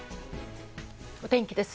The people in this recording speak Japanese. お天気です。